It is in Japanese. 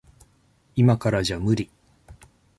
いまからじゃ無理。